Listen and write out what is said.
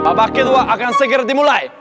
babak kedua akan segera dimulai